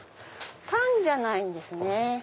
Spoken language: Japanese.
パンじゃないんですね。